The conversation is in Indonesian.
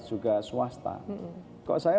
juga swasta kok saya